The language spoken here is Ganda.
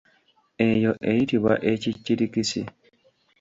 Eyo eyitibwa ekikirikisi.